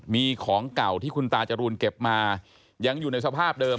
มีของเก่าที่คุณตาจรูนเก็บมายังอยู่ในสภาพเดิม